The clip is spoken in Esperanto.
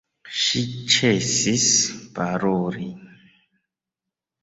Ŝi ĉesis paroli.